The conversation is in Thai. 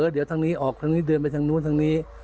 เดี๋ยวทางนี้ออกทางนี้เดินไปทางนู้นทางนี้